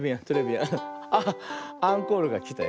あっアンコールがきたよ。